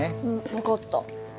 分かった。